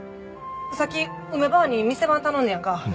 さっき梅ばあに店番頼んだやんか。